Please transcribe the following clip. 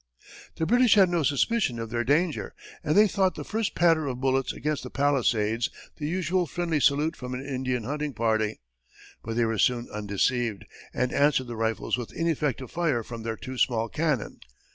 The British had no suspicion of their danger, and they thought the first patter of bullets against the palisades the usual friendly salute from an Indian hunting party. But they were soon undeceived, and answered the rifles with ineffective fire from their two small cannon.